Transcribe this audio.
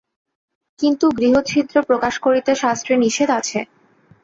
কিন্তু গৃহচ্ছিদ্র প্রকাশ করিতে শাস্ত্রে নিষেধ আছে।